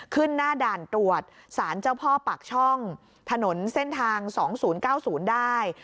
หน้าด่านตรวจสารเจ้าพ่อปากช่องถนนเส้นทาง๒๐๙๐ได้